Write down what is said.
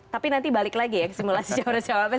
tapi nanti balik lagi ya ke simulasi capres capres